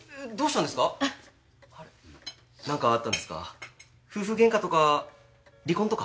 なんかあったんですか？